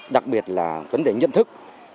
đặc biệt là vấn đề nhận thức